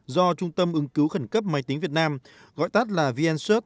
do trung tâm ứng cứu khẩn cấp máy tính việt nam gọi tắt là vncert